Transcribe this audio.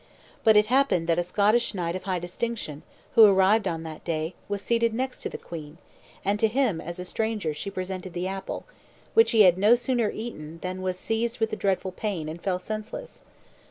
But it happened that a Scottish knight of high distinction, who arrived on that day, was seated next to the queen, and to him as a stranger she presented the apple, which he had no sooner eaten than he was seized with dreadful pain, and fell senseless.